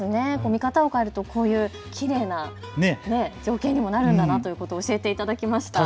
見方を変えるとこういうきれいな情景にもなるんだなということを教えていただきました。